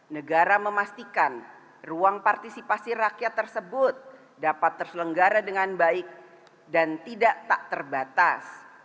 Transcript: negara memastikan ruang partisipasi rakyat tersebut dapat terselenggara dengan baik dan tidak tak terbatas